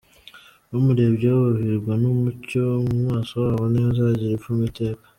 Bamurebyeho bavirwa n’umucyo, Mu maso habo ntihazagira ipfunwe iteka.